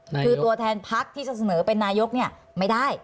คือตัวแทนพักที่จะเสนอเป็นนายกเนี่ยไม่ได้